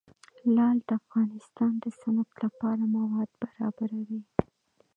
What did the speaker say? لعل د افغانستان د صنعت لپاره مواد برابروي.